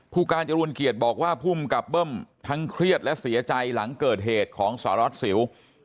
ผู้การจรูนเกียรติบอกว่าภูมิกับเบิ้มทั้งเครียดและเสียใจหลังเกิดเหตุของสารวัตรสิว